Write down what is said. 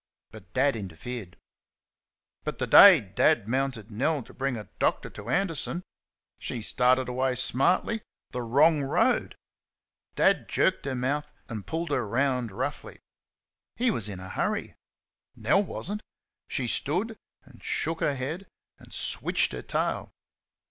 But Dad interfered. But the day Dad mounted Nell to bring a doctor to Anderson! She started away smartly the wrong road. Dad jerked her mouth and pulled her round roughly. He was in a hurry Nell was n't. She stood and shook her head and switched her tail.